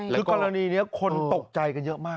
คือกรณีนี้คนตกใจกันเยอะมาก